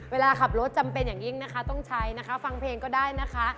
เวลาขับรถจำเป็นอย่างยิ่งนะคะต้องใช้นะคะฟังเพลงก็ได้นะคะ